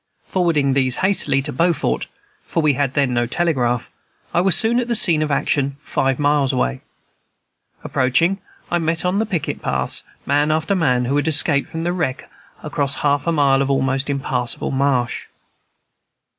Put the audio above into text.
Forwarding these hastily to Beaufort (for we had then no telegraph), I was soon at the scene of action, five miles away. Approaching, I met on the picket paths man after man who had escaped from the wreck across a half mile of almost impassable marsh.